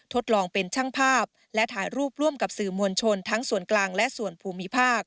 ทดลองเป็นช่างภาพและถ่ายรูปร่วม